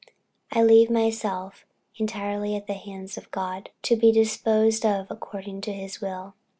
I leave myself entirely in the hands of God, to be disposed of according to his holy will."